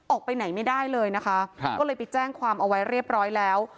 ออกไปไหนไม่ได้เลยนะคะก็เลยไปแจ้งความเอาไว้เรียบร้อยแล้ว